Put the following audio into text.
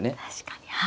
確かに。